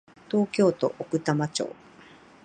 東京都奥多摩町